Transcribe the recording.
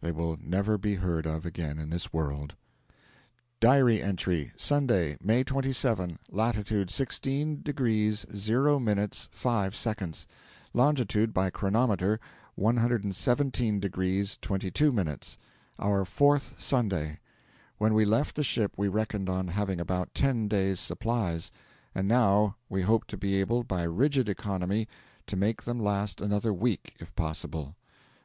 (They will never be heard of again in this world.) (Diary entry) Sunday, May 27, Latitude 16 degrees 0 minutes 5 seconds; longitude, by chronometer, 117 degrees 22 minutes. Our fourth Sunday! When we left the ship we reckoned on having about ten days' supplies, and now we hope to be able, by rigid economy, to make them last another week if possible.